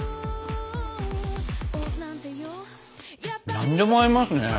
何でも合いますね。